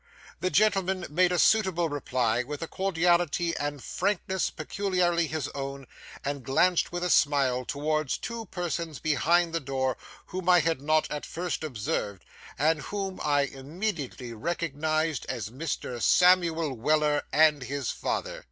That gentleman made a suitable reply with a cordiality and frankness peculiarly his own, and glanced with a smile towards two persons behind the door, whom I had not at first observed, and whom I immediately recognised as Mr. Samuel Weller and his father.